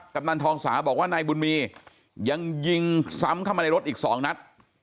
กำนันทองสาบอกว่านายบุญมียังยิงซ้ำเข้ามาในรถอีก๒นัด